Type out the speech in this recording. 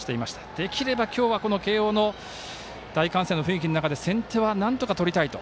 できれば今日は慶応の大歓声の雰囲気の中で先手は、なんとかとりたいと。